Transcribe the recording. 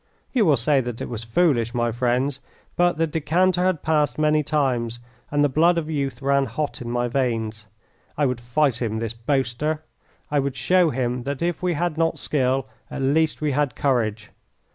You will say that it was foolish, my friends, but the decanter had passed many times, and the blood of youth ran hot in my veins. I would fight him, this boaster; I would show him that if we had not skill at least we had courage.